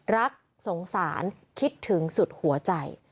รักสงสารคิดถึงสุดหัวใจ